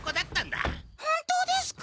本当ですか？